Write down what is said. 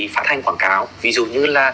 phát hành quảng cáo ví dụ như là